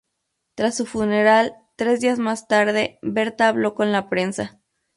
Tras su funeral tres días más tarde, Berta habló con la prensa.